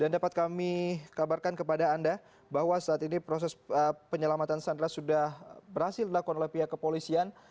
dan dapat kami kabarkan kepada anda bahwa saat ini proses penyelamatan sandra sudah berhasil dilakukan oleh pihak kepolisian